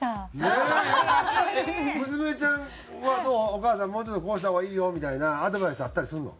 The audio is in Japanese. お母さんもうちょっとこうした方がいいよみたいなアドバイスあったりするの？